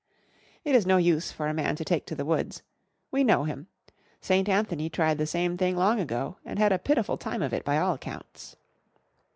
It is no use for a man to take to the woods; we know him; St. Anthony tried the same thing long ago, and had a pitiful time of it by all accounts.